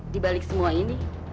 dibalik semua ini